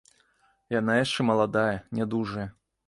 Яна яшчэ маладая, нядужая.